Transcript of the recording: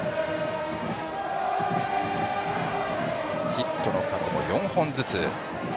ヒットの数も４本ずつ。